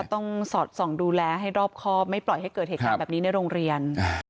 สอดส่องดูแลให้รอบครอบไม่ปล่อยให้เกิดเหตุการณ์แบบนี้ในโรงเรียน